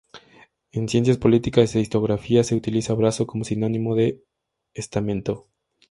En ciencias políticas e historiografía, se utiliza "brazo" como sinónimo de "estamento".